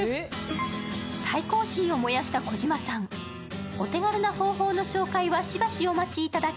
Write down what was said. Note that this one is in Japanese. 対抗心を燃やした児嶋さん、お手軽な方法はしばしお待ちいただき